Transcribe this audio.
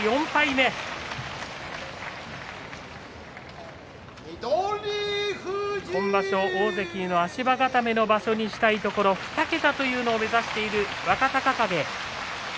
目今場所を大関への足場固めの場所場所にしたいところ２桁を目指している若隆景